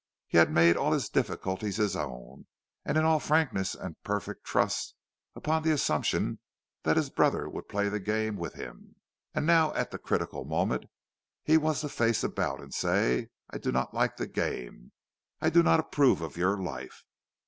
He had made all his difficulties his own, and all in frankness and perfect trust—upon the assumption that his brother would play the game with him. And now, at the critical moment, he was to face about, and say; "I do not like the game. I do not approve of your life!"